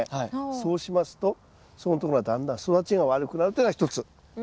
そうしますとそこん所がだんだん育ちが悪くなるというのが１つ。